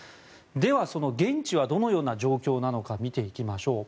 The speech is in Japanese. では、その現地はどのような状況なのか見ていきます。